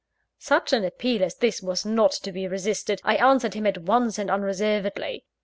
Such an appeal as this was not to be resisted: I answered him at once and unreservedly.